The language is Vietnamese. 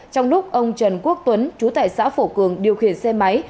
trong lúc ông trần quốc tuấn chú tại xã phổ cường điều khiển xe máy